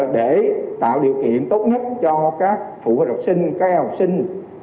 để tạo điều kiện tốt nhất cho các phụ đọc sinh các học sinh